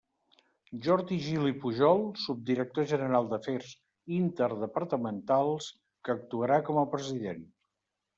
Jordi Gil i Pujol, subdirector general d'Afers Interdepartamentals, que actuarà com a president.